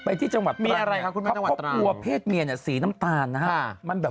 ไปที่จังหวัดตรังเพราะว่าผู้ว่าเพศเมียสีน้ำตาลนะฮะ